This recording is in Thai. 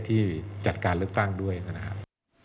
ที่จัดการเลือกตั้งด้วยนะครับ